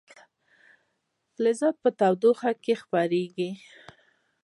فلزات په تودوخه کې پراخېږي.